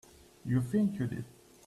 You think you did.